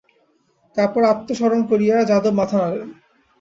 তারপর আত্মসম্বরণ করিয়া যাদব মাথা নাড়েন।